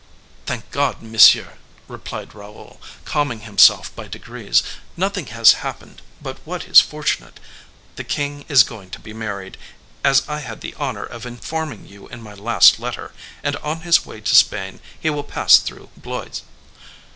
"Thank God, monsieur," replied Raoul, calming himself by degrees, "nothing has happened but what is fortunate. The king is going to be married, as I had the honor of informing you in my last letter, and, on his way to Spain, he will pass through Blois."